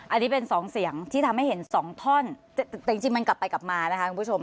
อันนี้เป็นสองเสียงที่ทำให้เห็นสองท่อนแต่จริงมันกลับไปกลับมานะคะคุณผู้ชม